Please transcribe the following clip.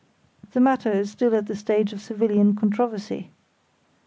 The matter is still at the stage of civilian controversy.